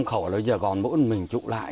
bảy tám khẩu là giờ còn mỗi mình trụ lại